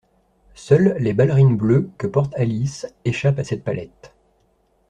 Seules les ballerines bleues que porte Alice échappent à cette palette.